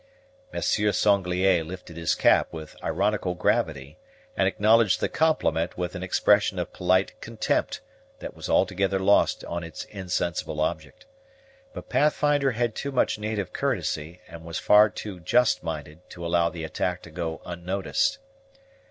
Monsieur Sanglier lifted his cap with ironical gravity, and acknowledged the compliment with an expression of polite contempt that was altogether lost on its insensible subject. But Pathfinder had too much native courtesy, and was far too just minded, to allow the attack to go unnoticed.